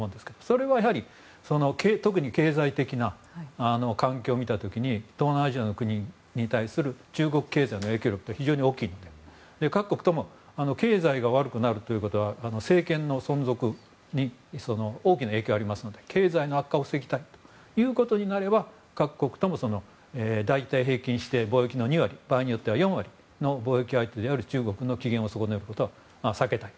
それは特に経済的な環境を見た時に東南アジアの国に対する中国経済の影響力って非常に大きいので各国とも経済が悪くなるということは政権の存続に大きな影響がありますので経済の悪化を防ぎたいということになれば各国とも大体、平均して貿易の２割場合によっては４割の貿易相手である中国の機嫌を損ねることは避けたい。